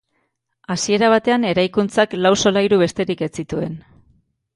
Hasiera batean eraikuntzak lau solairu besterik ez zituen.